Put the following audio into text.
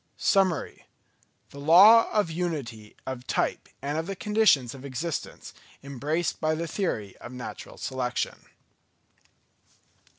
_Summary: the Law of Unity of Type and of the Conditions of Existence embraced by the Theory of Natural Selection.